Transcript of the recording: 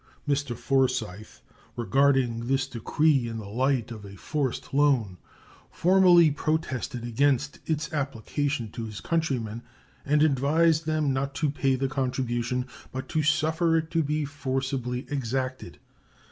Mr. Forsyth, regarding this decree in the light of a "forced loan," formally protested against its application to his countrymen and advised them not to pay the contribution, but to suffer it to be forcibly exacted.